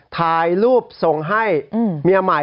ถ่ายรูปส่งให้เมียใหม่